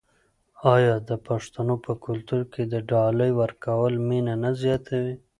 آیا د پښتنو په کلتور کې د ډالۍ ورکول مینه نه زیاتوي؟